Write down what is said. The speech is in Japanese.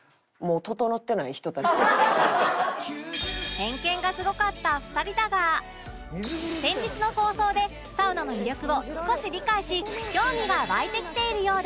偏見がすごかった２人だが先日の放送でサウナの魅力を少し理解し興味が湧いてきているようで